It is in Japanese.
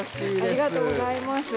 ありがとうございます。